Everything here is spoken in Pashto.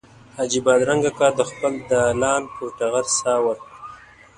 حاجي بادرنګ اکا د خپل دالان پر ټغر ساه ورکړه.